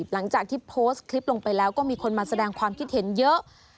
หลังจากที่โพสต์คลิปลงไปแล้วก็มีคนมาแสดงความคิดเห็นเยอะ